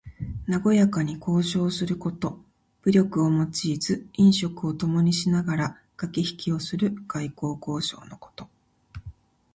なごやかに交渉すること。武力を用いず飲食をともにしながらかけひきをする外交交渉のこと。